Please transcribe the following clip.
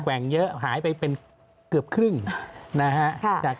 แกว่งเยอะหายไปเป็นเกือบครึ่งนะครับ